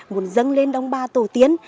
muốn dâng lên đồng bà tổ tiến